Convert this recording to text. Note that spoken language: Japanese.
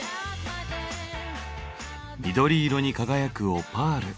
緑色に輝くオパール。